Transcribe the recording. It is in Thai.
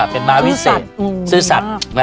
เป็นม้าวิเศษซื่อสัตว์